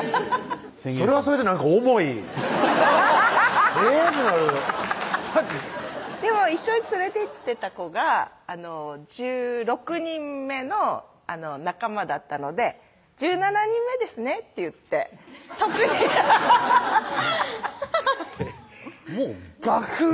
それはそれでなんか重いえぇってなるだってでも一緒に連れていってた子が１６人目の仲間だったので「１７人目ですね」って言って特にアハハハもうガクン！